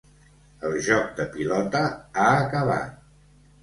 El joc de pilota ha acabat!